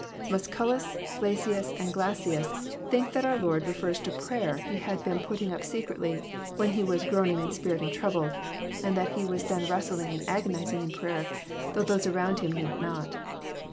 Mnsculus, Flacius, and Glassius, think that our Lord refers to prayer He had been putting ap secretly when He was "groan ing in spirit and troubled," and tl^at He was then wrestling and agonizing in prayer, though those around Him knew it not.